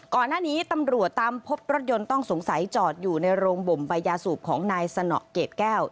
ก่อนหน้านี้ตำรวจตามพบรถยนต์ต้องสงสัยจอดอยู่ในโรงบ่มใบยาสูบของนายสนอเกรดแก้ว